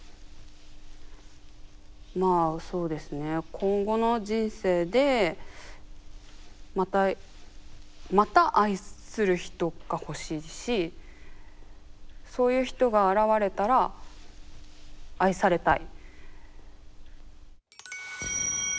今後の人生でまたまた愛する人が欲しいしそういう人が現れたら愛されたい。